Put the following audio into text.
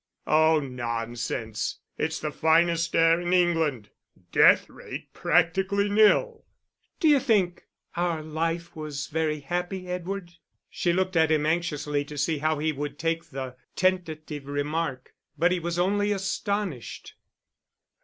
"Oh, nonsense. It's the finest air in England. Deathrate practically nil." "D'you think our life was very happy, Edward?" She looked at him anxiously to see how he would take the tentative remark: but he was only astonished.